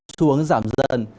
xuống giảm dần